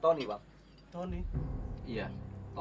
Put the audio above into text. ini buat tak tahu